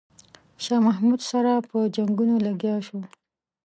شاه محمود سره په جنګونو لګیا شو.